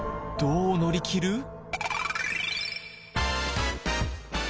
どう乗り切る？